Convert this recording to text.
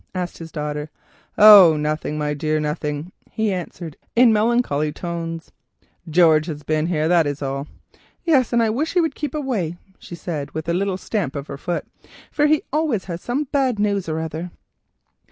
asked his daughter. "Oh, nothing, my dear, nothing," he answered in melancholy tones. "George has been here, that is all." "Yes, and I wish he would keep away," she said with a little stamp of her foot, "for he always brings some bad news or other."